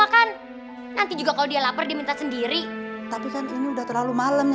menangis buffalo uremp itu sekarang sudahioni